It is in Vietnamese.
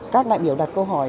các đại biểu đặt câu hỏi